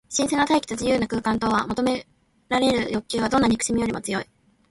新鮮な大気と自由な空間とを求めるかれの欲求は、どんな憎しみよりも強い。